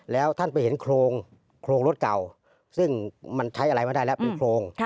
แล้วท่านไปเห็นโครงรถเก่าซึ่งมันใช้อะไรไม่ได้แล้วเป็นโครง